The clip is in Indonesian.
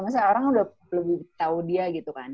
maksudnya orang udah lebih tau dia gitu kan